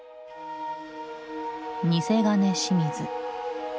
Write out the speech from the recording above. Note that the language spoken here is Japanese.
「偽金清水」。